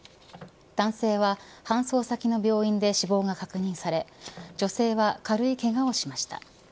男性は搬送先の病院で死亡が確認され女性は軽いけがをしました。